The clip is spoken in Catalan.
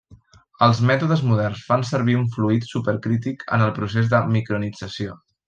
Els mètodes moderns fan servir un fluid supercrític en el procés de micronització.